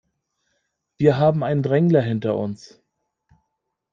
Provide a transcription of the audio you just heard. Wir haben einen Drängler hinter uns.